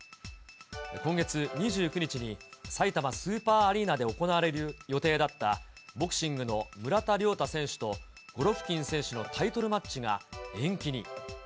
今月２９日にさいたまスーパーアリーナで行われる予定だった、ボクシングの村田諒太選手とゴロフキン選手のタイトルマッチが延期に。